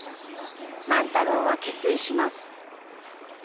万太郎は決意します。